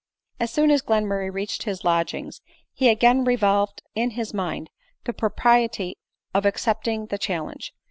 As soon as Glenmurray reached his lodgings, he again revolved in his mind the propriety of accepting the chal lenge.